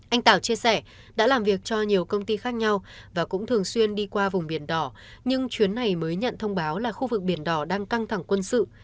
anh tảo chia sẻ đã làm việc cho nhiều công ty khác nhau và cũng thường xuyên đi qua vùng biển đỏ nhưng chuyến này mới nhận thông báo là khu vực biển đỏ đang căng thẳng quân sự